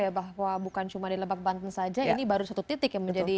iya karena tentu juga ya bahwa bukan cuma di lembaga banten saja ini baru satu titik yang menyebabkan